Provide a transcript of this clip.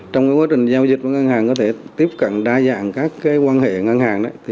trong quá trình giao dịch với ngân hàng có thể tiếp cận đa dạng các quan hệ ngân hàng